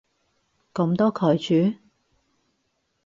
噉都拒絕？